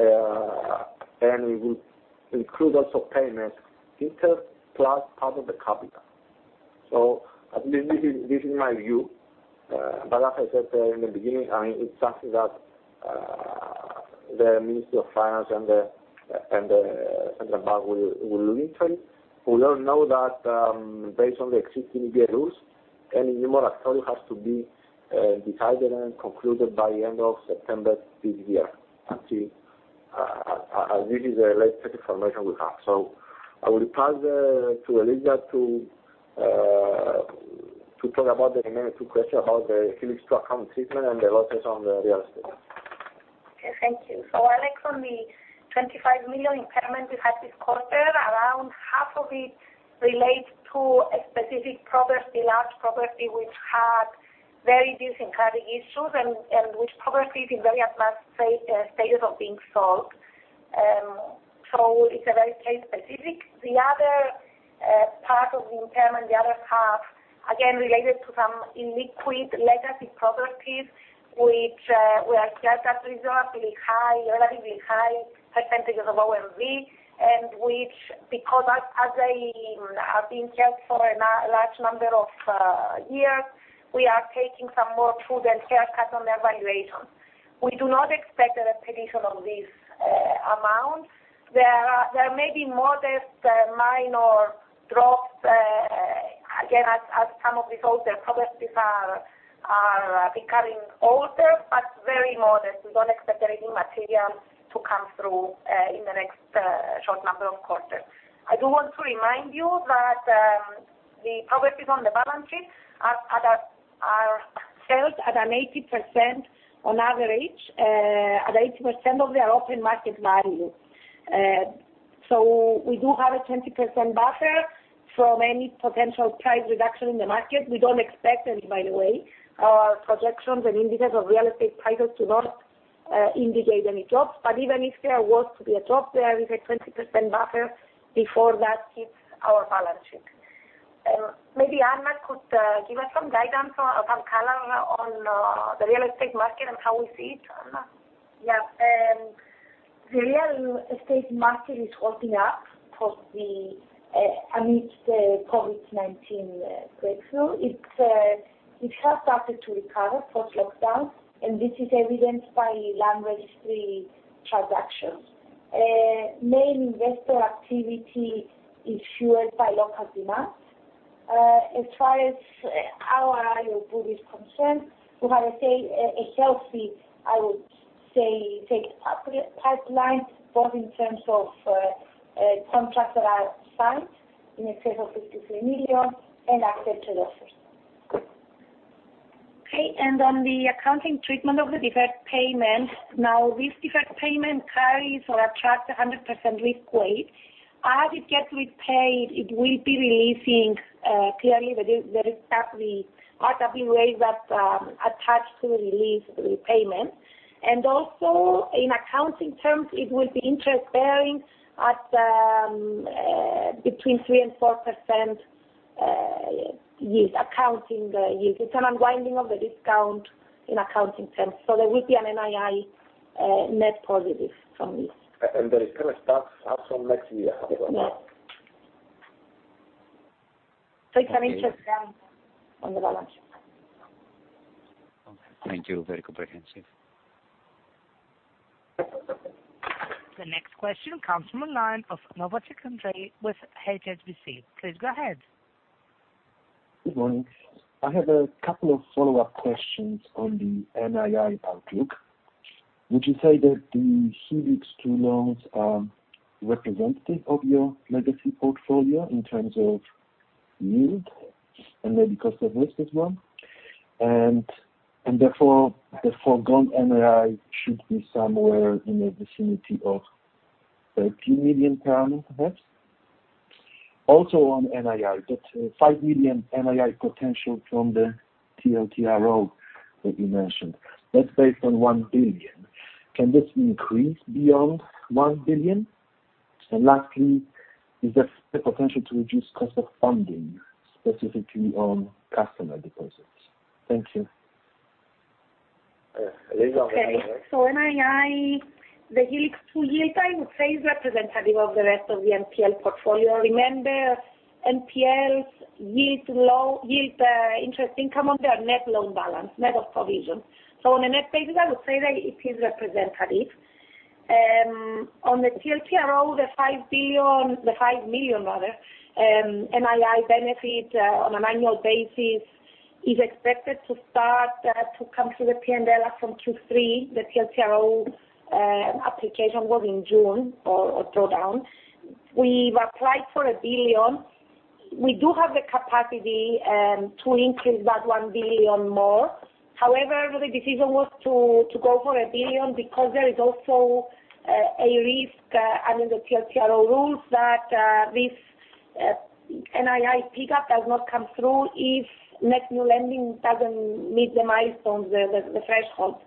We will include also payments, interest plus part of the capital. At least this is my view. As I said in the beginning, it's something that the Ministry of Finance and the Central Bank will look into. We all know that based on the existing EBA rules, any new moratorium has to be decided and concluded by the end of September this year. Actually, this is the latest information we have. I will pass to Eliza to talk about the remaining two questions about the Helix treatment and the losses on the real estate. Okay, thank you. Alex, on the 25 million impairment we had this quarter, around half of it relates to a specific property, large property, which had various credit issues and which property is in very advanced stages of being sold. It's very case specific. The other part of the impairment, the other half, again, related to some illiquid legacy properties, which were held at reasonably high, relatively high percentages of OMV, and which, because as they are being held for a large number of years, we are taking some more prudent haircut on their valuation. We do not expect a repetition of this amount. There may be modest minor drops, again, as some of these older properties are becoming older, but very modest. We don't expect anything material to come through in the next short number of quarters. I do want to remind you that the properties on the balance sheet are held at an 80% on average, at 80% of their open market value. We do have a 20% buffer from any potential price reduction in the market. We don't expect any, by the way. Our projections and indicators of real estate prices do not indicate any drops, but even if there was to be a drop, there is a 20% buffer before that hits our balance sheet. Maybe Anna could give us some guidance or some color on the real estate market and how we see it. Anna? Yeah. The real estate market is holding up amidst the COVID-19 breakthrough. It has started to recover post-lockdown, and this is evidenced by land registry transactions. Main investor activity is fueled by local demand. As far as our group is concerned, we have, let's say, a healthy, I would say, fixed pipeline, both in terms of contracts that are signed, in excess of EUR 53 million, and accepted offers. On the accounting treatment of the deferred payment, now this deferred payment carries or attracts 100% risk weight. As it gets repaid, it will be releasing clearly the risk RWA that's attached to the repayment. Also, in accounting terms, it will be interest-bearing between 3% and 4% yields, accounting yields. It's an unwinding of the discount in accounting terms. There will be an NII net positive from this. The risk will start up from next year as well. Yeah. It's an interest-bearing on the balance sheet. Okay. Thank you. Very comprehensive. The next question comes from the line of Novotny, Ondrej with HSBC. Please go ahead. Good morning. I have a couple of follow-up questions on the NII outlook. Would you say that the Helix 2 loans are representative of your legacy portfolio in terms of yield and maybe cost of risk as well? Therefore, the forgone NII should be somewhere in the vicinity of EUR 30 million, perhaps? On NII, that 5 million NII potential from the TLTRO that you mentioned, that's based on 1 billion. Can this increase beyond 1 billion? Lastly, is there potential to reduce cost of funding, specifically on customer deposits? Thank you. Eliza. Okay. NII, the Helix 2 yield, I would say, is representative of the rest of the NPL portfolio. Remember, NPLs yield interest income on their net loan balance, net of provision. On a net basis, I would say that it is representative. On the TLTRO, the 5 billion, the 5 million rather, NII benefit on an annual basis is expected to start to come through the P&L from Q3. The TLTRO application was in June or drawdown. We've applied for 1 billion. We do have the capacity to increase that 1 billion more. However, the decision was to go for 1 billion because there is also a risk under the TLTRO rules that this NII pick-up does not come through if net new lending doesn't meet the milestones, the thresholds.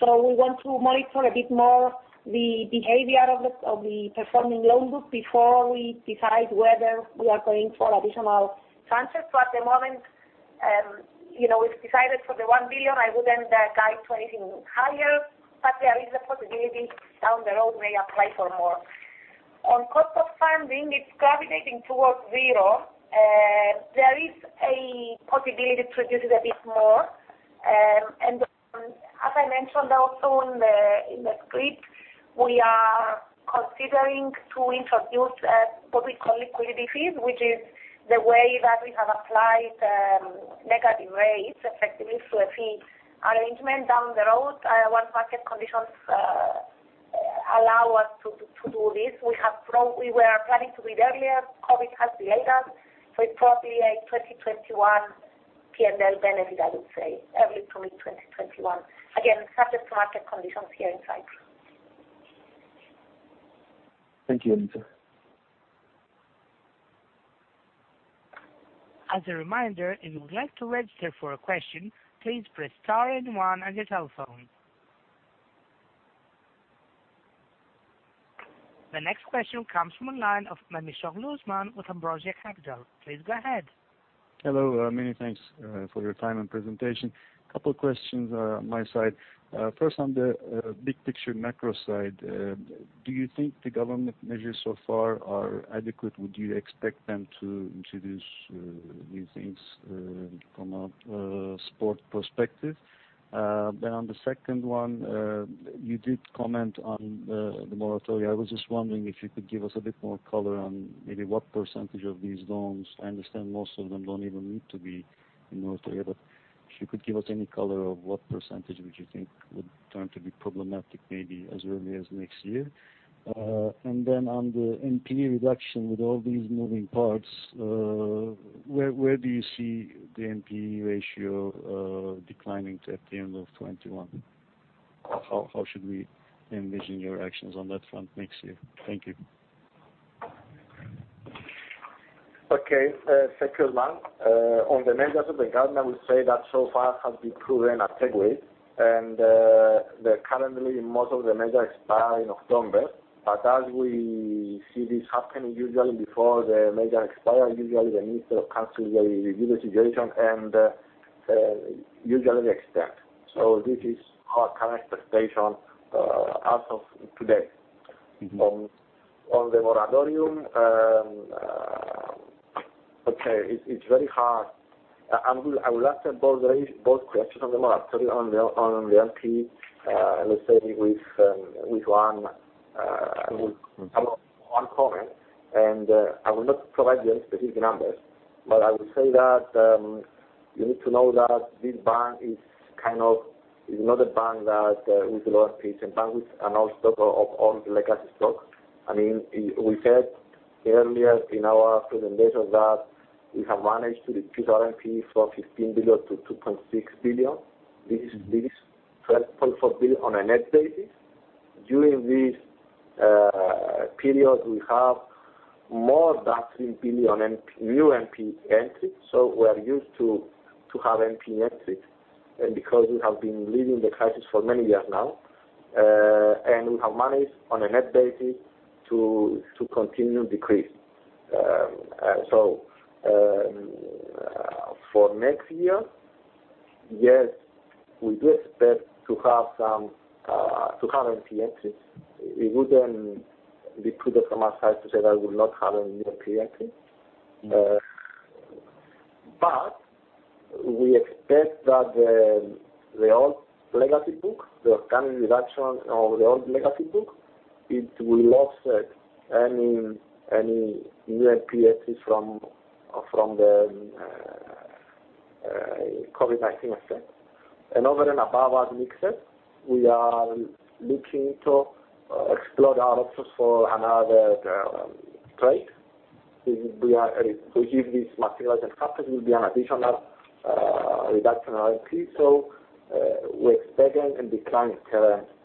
We want to monitor a bit more the behavior of the performing loan book before we decide whether we are going for additional transfers. At the moment, we've decided for the 1 billion, I wouldn't guide to anything higher. There is a possibility down the road may apply for more. On the cost of funding, it's gravitating towards zero. There is a possibility to reduce it a bit more. As I mentioned also in the script, we are considering to introduce what we call liquidity fees, which is the way that we have applied negative rates, effectively through a fee arrangement down the road, once market conditions allow us to do this. We were planning to do it earlier. COVID has delayed us. It's probably a 2021 P&L benefit, I would say, early 2021. Again, subject to market conditions here in Cyprus. Thank you, Eliza. As a reminder, if you would like to register for a question please press star and one in your telephone. The next question comes from the line of Memisoglu, Osman with Ambrosia Capital. Please go ahead. Hello, many thanks for your time and presentation. A couple of questions on my side. First, on the big picture macro side, do you think the government measures so far are adequate? Would you expect them to introduce new things from a support perspective? On the second one, you did comment on the moratorium. I was just wondering if you could give us a bit more color on maybe what percent of these loans, I understand most of them don't even need to be in moratorium, but if you could give us any color of what percent would you think would turn to be problematic, maybe as early as next year? On the NPE reduction with all these moving parts, where do you see the NPE ratio declining to at the end of 2021? How should we envision your actions on that front next year? Thank you. Okay. Thank you, Osman. On the measures of the government, I would say that so far have been proven adequate. Currently, most of the measures expire in October. As we see this happening usually before the measure expires, usually the minister of council will review the situation, and usually they extend. This is our current expectation as of today. On the moratorium, okay, it is very hard. I will answer both questions on the moratorium, on the NPE, let's say with one comment, and I will not provide you specific numbers, but I would say that you need to know that this bank is not a bank that with low rates and bank with an old stock of all the legacy stock. I mean, we had earlier in our presentation that we have managed to reduce our NPE from 15 billion to 2.6 billion. This is 12.4 billion on a net basis. During this period, we have more than 3 billion in new NPE entry, so we are used to have NPE exit, and because we have been living the crisis for many years now, and we have managed on a net basis to continue decrease. For next year, yes, we do expect to have some NPE exit. It wouldn't be prudent from our side to say that we will not have any new NPE entry. We expect that the old legacy book, the organic reduction of the old legacy book, it will offset any new NPE exit from the COVID-19 effect. Over and above as we accept, we are looking to explore our options for another trade. We are to give this market relative confidence will be an additional reduction in NPE. We're expecting a decline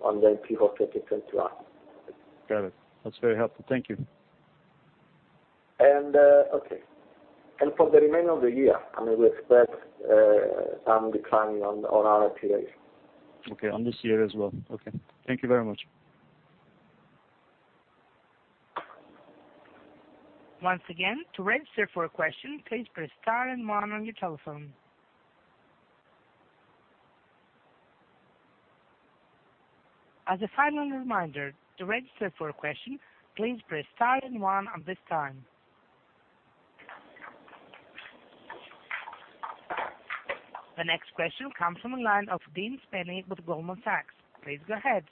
on the NPE for 2021. Got it. That's very helpful. Thank you. Okay. For the remainder of the year, we expect some declining on our NPE ratio. Okay. On this year as well. Okay. Thank you very much. The next question comes from the line of Deans, Penny with Goldman Sachs. Please go ahead.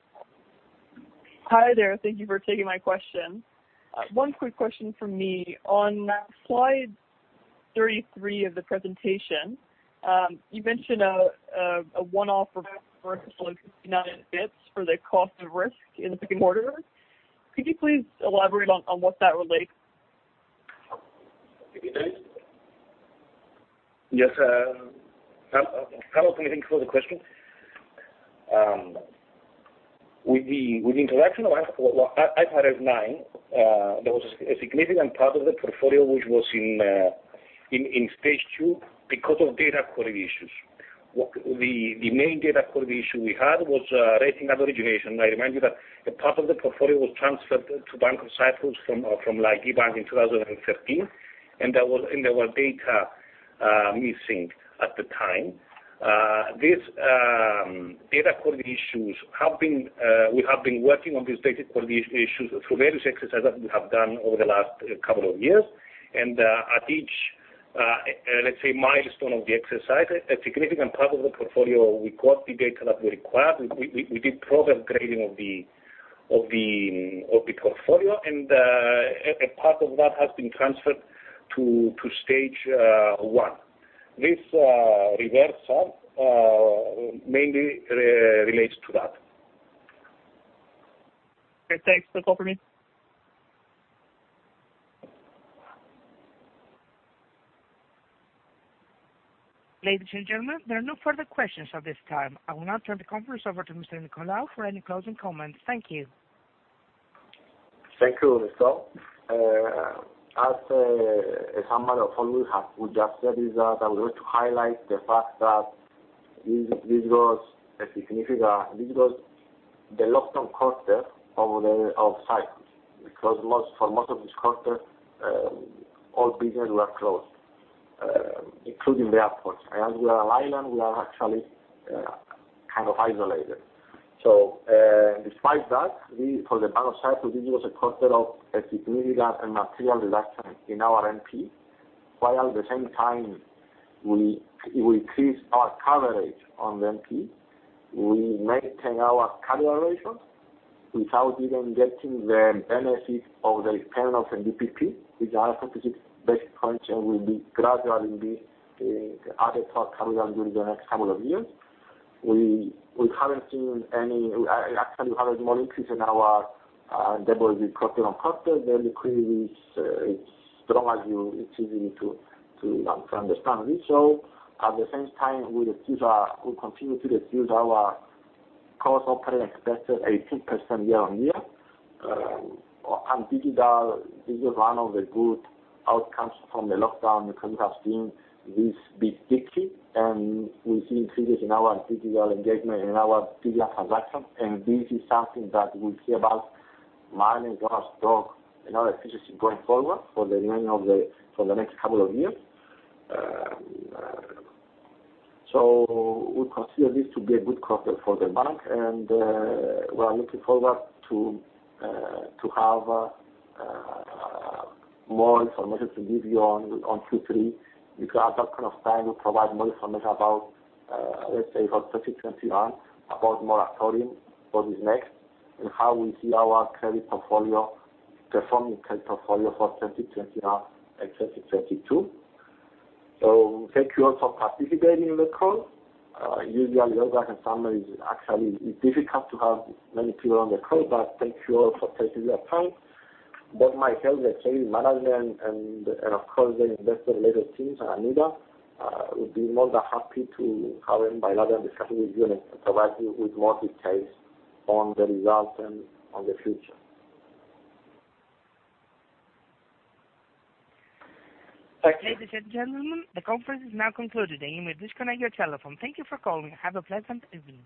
Hi there. Thank you for taking my question. One quick question from me. On slide 33 of the presentation, you mentioned a one-off reversal of 59 basis points for the cost of risk in the second quarter. Could you please elaborate on what that relates? Could you, Demetris? Yes. I can you take the question? With the interaction of IFRS 9, there was a significant part of the portfolio which was in Stage 2 because of data quality issues. The main data quality issue we had was rating at origination. I remind you that a part of the portfolio was transferred to Bank of Cyprus from Laiki Bank in 2013, and there were data missing at the time. These data quality issues, we have been working on these data quality issues through various exercises that we have done over the last couple of years. At each, let's say, milestone of the exercise, a significant part of the portfolio, we got the data that we required. We did proper grading of the portfolio and a part of that has been transferred to Stage 1. This reversal mainly relates to that. Okay. Thanks. That's all for me. Ladies and gentlemen, there are no further questions at this time. I will now turn the conference over to Mr. Nicolaou for any closing comments. Thank you. Thank you, Redo. As a summary of all we just said is that I'm going to highlight the fact that this was a significant, this was the lockdown quarter of Cyprus because for most of this quarter, all businesses were closed, including the airports. As we are an island, we are actually kind of isolated. Despite that, for the Bank of Cyprus, this was a quarter of a significant and material reduction in our NPE, while at the same time we increased our coverage on the NPE. We maintain our coverage ratios without even getting the benefit of the expansion of the DPP, which are specific basis points and will gradually be added for coverage during the next couple of years. We have a small increase in our deposit cost. The liquidity is strong, as it's easy to understand this. At the same time, we continue to reduce our cost operating expenses 18% year-on-year. Digital, this is one of the good outcomes from the lockdown because we have seen this big shift, and we see increases in our NPE engagement and our digital transactions, and this is something that we'll hear about [mining, gas, and stock] in our efficiency going forward for the next couple of years. We consider this to be a good quarter for the bank, and we are looking forward to have more information to give you on Q3, because at that point of time, we provide more information about, let's say, for 2021, about moratorium, what is next, and how we see our credit portfolio, performing credit portfolio for 2021 and 2022. Thank you all for participating in the call. Usually, August and summer is actually difficult to have many people on the call but thank you all for taking the time. Both myself, the treasury management, and of course, the investor relations teams, and Annita, we'd be more than happy to have a bilateral discussion with you and provide you with more details on the results and on the future. Thank you. Ladies and gentlemen, the conference is now concluded. You may disconnect your telephone. Thank you for calling. Have a pleasant evening.